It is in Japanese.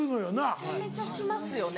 めちゃめちゃしますよね。